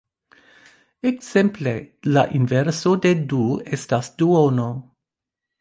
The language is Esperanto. Ekzemple: La inverso de du estas duono.